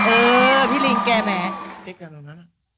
เออพี่ลิงแกแหม